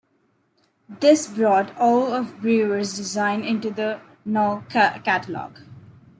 This brought all of Breuer's design into the Knoll catalog.